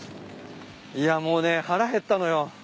いやもうね腹減ったのよ。